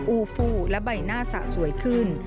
อูฟูและใบหน้าสะสวยขึ้น